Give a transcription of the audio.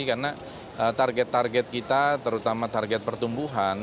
karena target target kita terutama target pertumbuhan